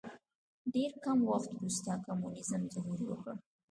ډېر کم وخت وروسته کمونیزم ظهور وکړ.